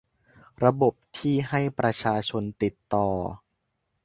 ระบบที่ให้ประชาชนติดต่อ